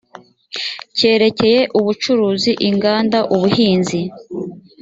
cyerekeye ubucuruzi inganda ubuhinzi